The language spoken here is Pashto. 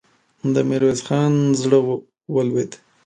د ميرويس خان زړه ولوېد.